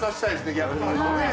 逆に。